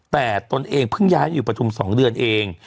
แต่ตนเองเพิ่งย้ายอยู่ประทุม๒เดือนเอง